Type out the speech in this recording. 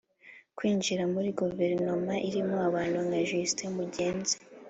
kwinjira muri guverinoma irimo abantu nka Justin Mugenzi